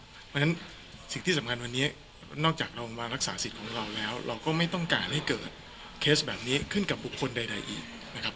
เพราะฉะนั้นสิ่งที่สำคัญวันนี้นอกจากเรามารักษาสิทธิ์ของเราแล้วเราก็ไม่ต้องการให้เกิดเคสแบบนี้ขึ้นกับบุคคลใดอีกนะครับ